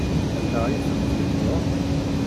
Anda ay ten-tlemdeḍ?